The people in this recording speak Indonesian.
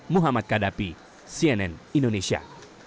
muhammad kadapi cnn indonesia